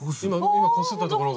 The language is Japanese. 今こすったところが。